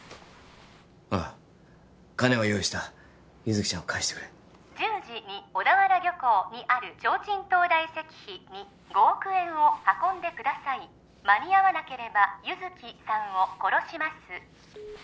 ああ金は用意した優月ちゃんを返してくれ１０時に小田原漁港にあるちょうちん灯台石碑に５億円を運んでください間に合わなければ優月さんを殺します